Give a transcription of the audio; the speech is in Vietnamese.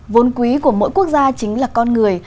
vốn quý của mỗi quốc gia chính là con người